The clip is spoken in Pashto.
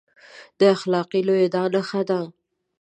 د اخلاقي لوېدا نښه دی.